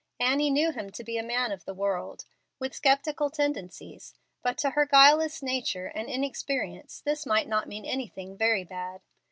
Annie knew him to be a man of the world, with sceptical tendencies, but to her guileless nature and inexperience this might not mean anything very bad.